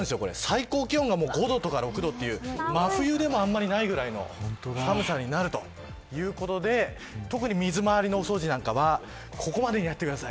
最高気温が５度とか６度とか真冬でもあまりないぐらいの寒さになるということで特に水周りのお掃除なんかはここまでにやってください。